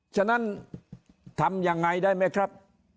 ฉะนั้นทำยังไงได้ไหมครับ